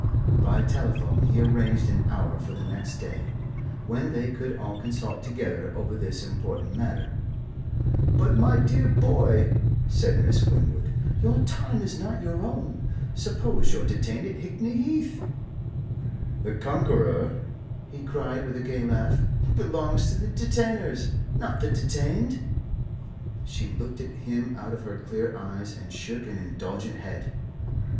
By telephone he arranged an hour for the next day, when they could all consult together over this important matter. "But, my dear boy," said Miss Winwood, "your time is not your own. Suppose you're detained at Hickney Heath?" "The Conqueror," he cried, with a gay laugh, "belongs to the Detainers not the Detained." She looked at him out of her clear eyes, and shook an indulgent head.